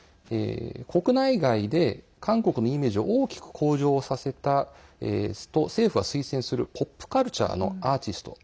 国内外で、韓国のイメージを大きく向上させたと政府が推薦するポップカルチャーのアーティスト。